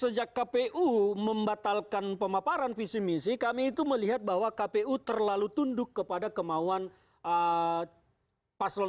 sejak kpu membatalkan pemaparan visi misi kami itu melihat bahwa kpu terlalu tunduk kepada kemauan paslon dua